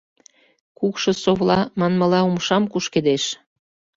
— Кукшо совла, манмыла, умшам кушкедеш.